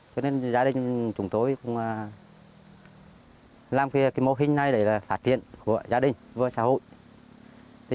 cho nên gia đình chúng tôi cũng làm cái mô hình này để phát triển gia đình với xã hội